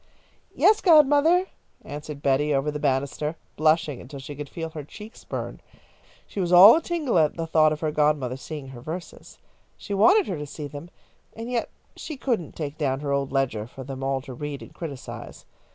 "Yes, godmother," answered Betty, over the banister, blushing until she could feel her cheeks burn. She was all a tingle at the thought of her godmother seeing her verses. She wanted her to see them, and yet, she couldn't take down her old ledger for them all to read and criticise.